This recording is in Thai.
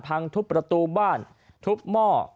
พังทุบประตูบ้านทุบหม้อ